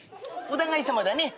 お互いさまだね。